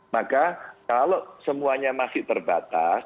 maka kalau semuanya masih terbatas